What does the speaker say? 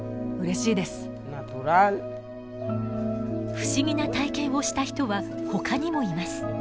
不思議な体験をした人はほかにもいます。